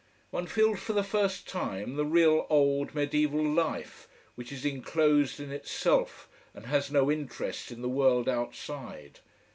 One feels for the first time the real old mediaeval life, which is enclosed in itself and has no interest in the world outside.